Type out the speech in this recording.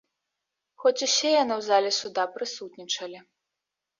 Хоць усе яны ў зале суда прысутнічалі.